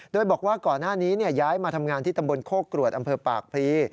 โดยบอกว่าก่อนหน้านี้ย้ายมาทำงานที่ตำบลโคกรวดอำเภอปากพลี